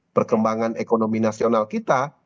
perkembangan ekonomi nasional kita